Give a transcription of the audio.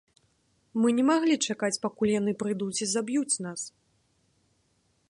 Мы не маглі чакаць, пакуль яны прыйдуць і заб'юць нас.